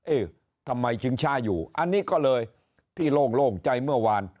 เอ๊ะทำไมชิงช้าอยู่อันนี้ก็เลยที่โล่งใจเมื่อวาน